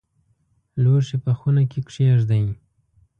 لوښي په خونه کې کښېږدئ